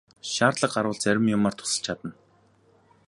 Шаардлага гарвал зарим юмаар тусалж чадна.